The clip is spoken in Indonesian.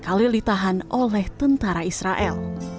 khalil ditahan oleh tentara israel